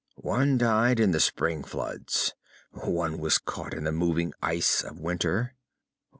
One died in the spring floods. One was caught in the moving ice of winter.